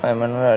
em nói là